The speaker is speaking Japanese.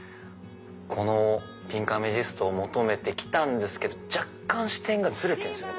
このピンクアメシストを求めて来たんですけど若干視点がずれてるんですよね